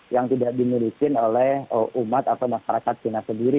yang tidak dimiliki oleh umat atau masyarakat cina sendiri